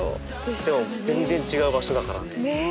でも全然違う場所だからね。ね！